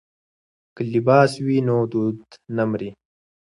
که لباس وي نو دود نه مري.